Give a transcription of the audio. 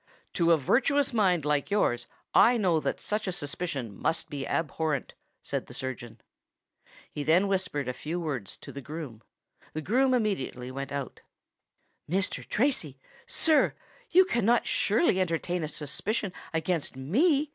"To a virtuous mind like yours I know that such a suspicion must be abhorrent," said the surgeon. He then whispered a few words to the groom. The groom immediately went out. "Mr. Tracy—sir—you cannot surely entertain a suspicion against me!"